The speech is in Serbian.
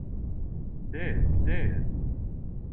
Где је, где је?